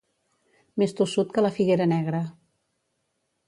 Més tossut que la figuera negra.